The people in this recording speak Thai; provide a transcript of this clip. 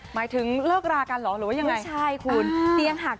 หมายถึงเลิกรากันหรอหรือว่ายังไง